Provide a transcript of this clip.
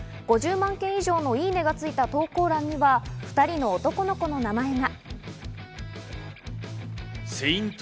５０万件以上の「いいね」がついた投稿欄には２人の男の子の名前が。